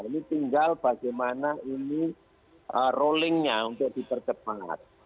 ini tinggal bagaimana ini rolling nya untuk dipercepat